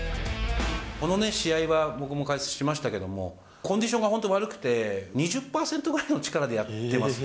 この試合は僕も解説しましたけども、コンディションが本当悪くて、２０％くらいの力でやってます。